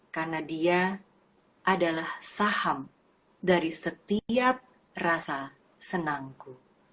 karena dia adalah saham dari setiap rasa senangku